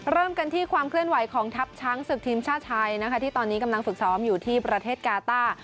เริ่มกันที่ความเคลื่อนไหวของทัพช้างศึกทีมชาติไทยนะคะที่ตอนนี้กำลังฝึกซ้อมอยู่ที่ประเทศกาต้า